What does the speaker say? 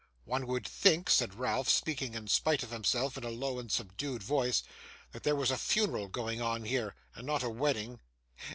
'One would think,' said Ralph, speaking, in spite of himself, in a low and subdued voice, 'that there was a funeral going on here, and not a wedding.